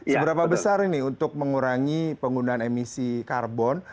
seberapa besar ini untuk mengurangi penggunaan emisi karbon